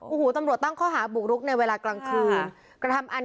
อูหูตำรวจต้องเข้าหาบุกรุกในเวลากลางคืน